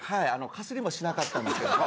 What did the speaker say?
かすりもしなかったんですけども。